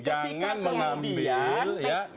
jadi ketika kemudian